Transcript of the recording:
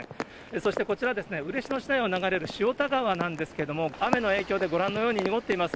そしてこちら、嬉野市内を流れるしおた川なんですけども、雨の影響で、ご覧のように濁っています。